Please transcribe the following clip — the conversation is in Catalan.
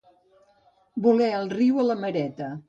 Voler el niu i la mareta.